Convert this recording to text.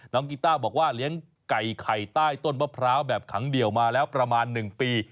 กีต้าบอกว่าเลี้ยงไก่ไข่ใต้ต้นมะพร้าวแบบขังเดี่ยวมาแล้วประมาณ๑ปี